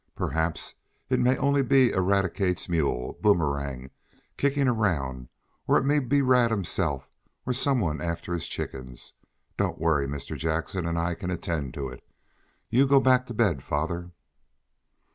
Perhaps it may only be Eradicate's mule, Boomerang, kicking around, or it may be Rad himself, or some one after his chickens. Don't worry. Mr. Jackson and I can attend to it. You go back to bed, father."